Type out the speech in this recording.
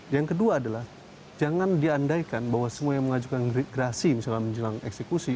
yang kedua adalah jangan diandaikan bahwa semua yang mengajukan gerasi misalnya menjelang eksekusi